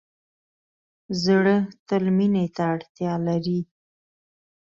زړه تل مینې ته اړتیا لري.